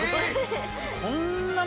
こんなに。